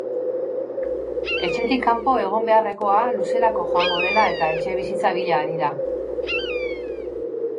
Etxetik kanpo egon beharrekoa luzerako joango dela eta etxebizitza bila ari da.